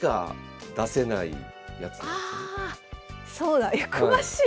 そうだ詳しい！